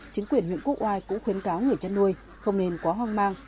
chính quyền huyện quốc oai cũng khuyến cáo người chăn nuôi không nên quá hoang mang